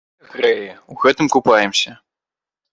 Гэта грэе і ў гэтым купаемся.